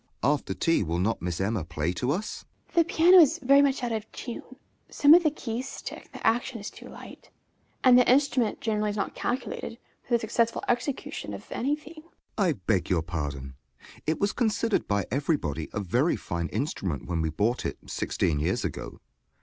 After tea will not Miss Emma play to us? EMMA. The piano is very much out of tune, some of the keys stick, the action is too light, and the instrument generally is not calculated for the successful execution of any thing. JOHN S. I beg your pardon: it was considered by everybody a very fine instrument when we bought it, sixteen years ago.